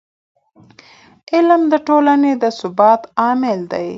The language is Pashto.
علم د ټولنې د ثبات عامل دی.